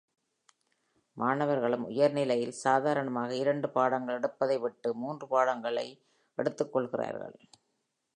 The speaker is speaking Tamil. மாணவர்களும் உயர்நிலையில், சாதாரணமாக இரண்டு பாடங்கள் எடுப்பதை விட்டு மூன்று பாடங்களை எடுத்துக்கொள்கிறார்கள்.